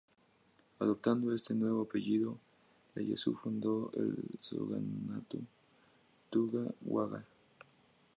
Adoptando ese nuevo apellido, Ieyasu fundó el shogunato Tokugawa.